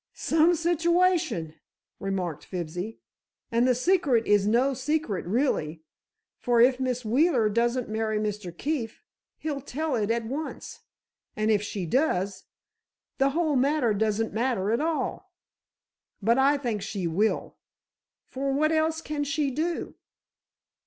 "Some situation!" remarked Fibsy. "And the secret is no secret really, for if Miss Wheeler doesn't marry Mr. Keefe, he'll tell it at once. And if she does, the whole matter doesn't matter at all! But I think she will, for what else can she do?"